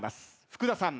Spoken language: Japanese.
福田さん